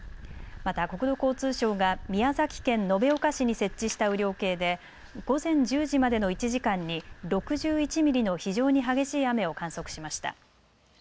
また国土交通省が宮崎県延岡市に設置した雨量計で午前１０時までの１時間に６１ミリの非常に激しい雨を観測しました。